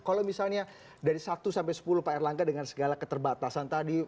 kalau misalnya dari satu sampai sepuluh pak erlangga dengan segala keterbatasan tadi